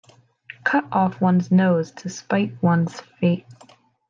Cut off one's nose to spite one's face.